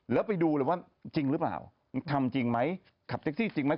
แล้วไปดูเลยว่าจริงหรือเปล่าทำจริงไหมขับแท็กซี่จริงไหม